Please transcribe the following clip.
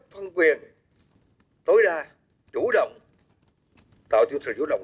phân quyền tối đa chủ động tạo cho sự chủ động